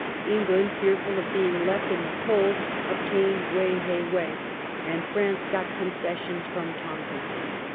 England, fearful of being left in the cold, ob tained Wei hei Wei, and France got concessions near Tonkin.